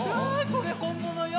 これ本物よ。